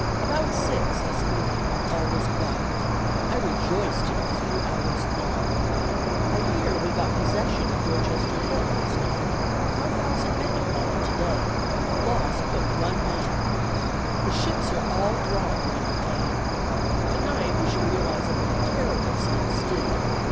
About six, this morning, all was quiet. I rejoiced in a few hours' calm. I hear we got possession of Dorchester Hill last night; four thousand men upon it today; lost but one man. The ships are all drawn round the town. Tonight we shall realize a more terrible scene still.